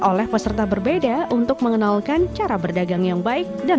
oleh peserta berbeda untuk mengenalkan cara berpengurusan